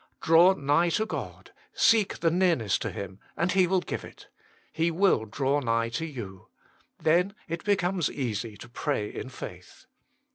" Draw nigh to God "; seek the nearness to Him, and He will give it ;" He will draw nigh to you." Then it becomes easy to pray in faith.